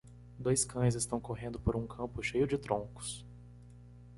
Dois cães estão correndo por um campo cheio de troncos.